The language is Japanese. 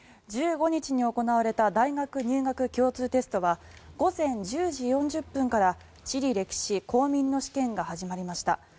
１５日に行われた大学入学共通テストは午前１０時４０分から地理歴史・公民の試験が始まりました。